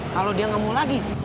kalau dia gak mau lagi